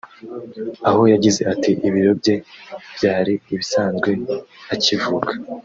aho yagize ati “ Ibiro bye byari ibisanzwe akivuka